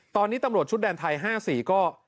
ตอนนี้ตำรวจชุดแดนไทย๕๔ก็